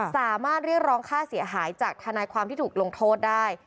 สามารถเรียกร้องค่าเสียหายจากทนายความที่ถูกลงโทษได้